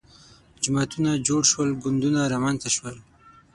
جماعتونه جوړ شول ګوندونه رامنځته شول